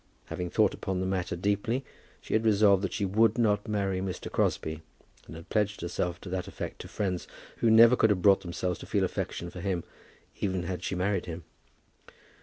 Having thought upon the matter deeply, she had resolved that she would not marry Mr. Crosbie, and had pledged herself to that effect to friends who never could have brought themselves to feel affection for him, even had she married him.